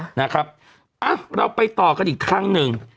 นะครับเราไปต่อกันอีกครั้งหนึ่ง